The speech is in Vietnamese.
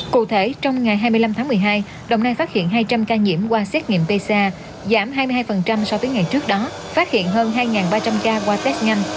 cụ thể trong ngày hai mươi năm tháng một mươi hai đồng nai phát hiện hai trăm linh ca nhiễm qua xét nghiệm pc giảm hai mươi hai so với ngày trước đó phát hiện hơn hai ba trăm linh ca qua test nhanh